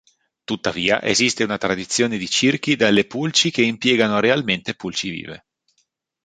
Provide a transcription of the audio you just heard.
Tuttavia, esiste una tradizione di circhi delle pulci che impiegano realmente pulci vive.